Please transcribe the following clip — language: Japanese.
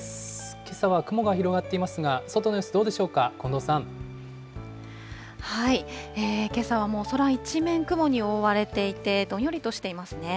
けさは雲が広がっていますが、外けさはもう空一面、雲に覆われていて、どんよりとしていますね。